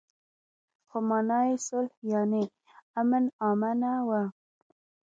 خو مانا يې صلح يانې امن آمنه وه.